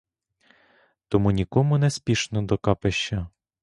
Тому нікому не спішно до капища.